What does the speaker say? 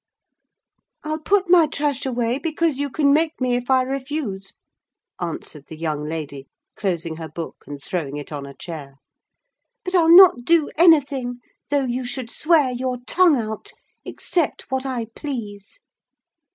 "I'll put my trash away, because you can make me if I refuse," answered the young lady, closing her book, and throwing it on a chair. "But I'll not do anything, though you should swear your tongue out, except what I please!"